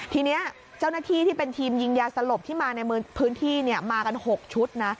ทีนี้เจ้าหน้าที่ที่เป็นทีมยิงยาสลบที่มาในพื้นที่มากัน๖ชุดนะ